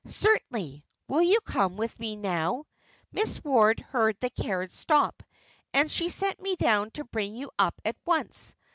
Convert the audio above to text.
"Certainly. Will you come with me now? Miss Ward heard the carriage stop, and she sent me down to bring you up at once.